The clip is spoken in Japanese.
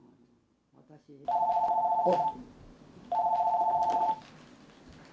おっ！